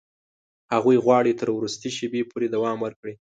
هغوی غواړي تر وروستي شېبې پورې دوام ورکړي.